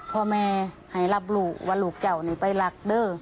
พ่อแม่หายรับลูกว่าลูกเก่านี่ไปหลักเด้อ